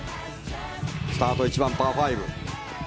スタート、１番、パー５。